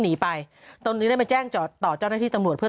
หนีไปตนจึงได้มาแจ้งจอดต่อเจ้าหน้าที่ตำรวจเพื่อ